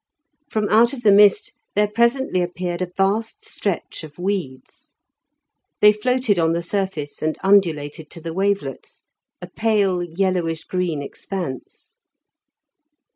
From out of the mist there presently appeared a vast stretch of weeds. They floated on the surface and undulated to the wavelets, a pale yellowish green expanse.